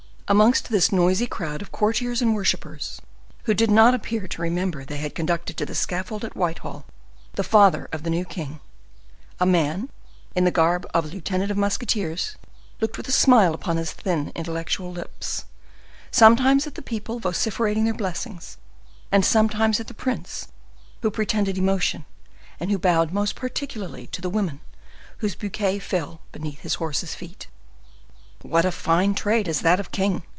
Amongst this noisy crowd of courtiers and worshipers, who did not appear to remember they had conducted to the scaffold at Whitehall the father of the new king, a man, in the garb of a lieutenant of musketeers, looked, with a smile upon his thin, intellectual lips, sometimes at the people vociferating their blessings, and sometimes at the prince, who pretended emotion, and who bowed most particularly to the women, whose bouquets fell beneath his horse's feet. "What a fine trade is that of king!"